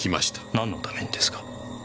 何のためにですか？